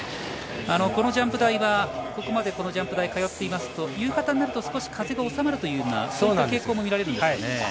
このジャンプ台はここまでこのジャンプ台に通っていますと夕方になると風が収まるといった傾向もみられるんですね。